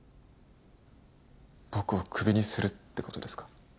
僕をクビにするってことですか？